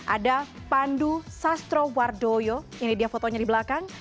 ada pandu sastrowardoyo ini dia fotonya di belakang